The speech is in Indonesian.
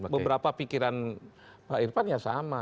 beberapa pikiran pak irfan ya sama